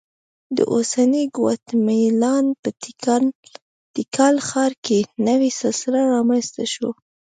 د اوسنۍ ګواتیمالا په تیکال ښار کې نوې سلسله رامنځته شوه